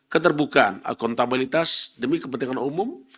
keterbukaan akuntabilitas demi kepentingan umum